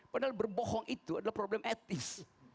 padahal berbohong itu adalah problem etis